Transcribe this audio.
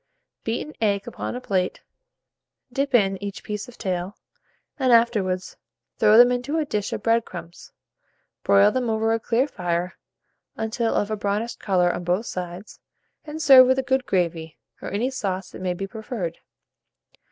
Beat an egg upon a plate; dip in each piece of tail, and, afterwards, throw them into a dish of bread crumbs; broil them over a clear fire, until of a brownish colour on both sides, and serve with a good gravy, or any sauce that may be preferred.